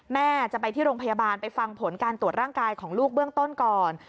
แม่จะไปที่โรงพยาบาลไปฟังผลการตรวจร่างกายของลูกเบื้องต้นก่อน